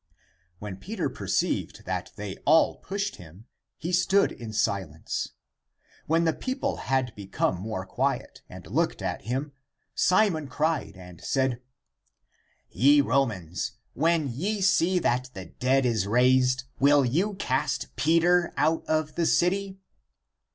When Simon perceived that they all pushed him, he stood in silence. When the people had become more quiet and looked at him, Simon cried and said, " Ye Romans, when ye see that the dead is raised, will you cast Peter out of the city